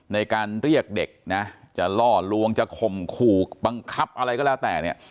ในการเรียกเด็กนะจะล่อลวงจะข่มขู่บังคับอะไรก็แล้วแต่เนี่ย